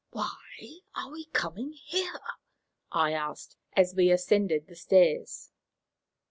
"Why are we coming here?" I asked, as we ascended the stairs.